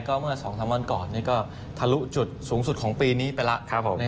เมื่อ๒๓วันก่อนก็ทะลุจุดสูงสุดของปีนี้ไปแล้ว